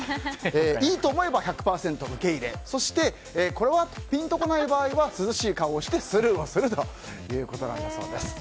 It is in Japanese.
いいと思えば１００％受け入れそして、ぴんとこない場合は涼しい顔をしてスルーをするそうです。